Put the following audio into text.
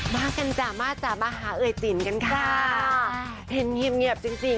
มากันจ๊ะมาจ๊ะมาหาเอ๋ยจินกันค่ะค่ะค่ะเห็นเงียบเงียบจริงจริง